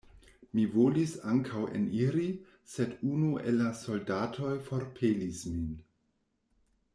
Mi volis ankaŭ eniri, sed unu el la soldatoj forpelis min.